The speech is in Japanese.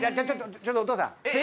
ちょっとお父さん。